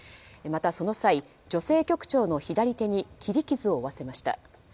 またその際、女性局長の左手に切り傷を負わせました。